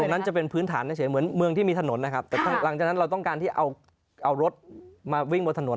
นั้นจะเป็นพื้นฐานเฉยเหมือนเมืองที่มีถนนนะครับแต่หลังจากนั้นเราต้องการที่เอารถมาวิ่งบนถนน